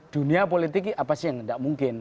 dunia politik apasih yang tidak mungkin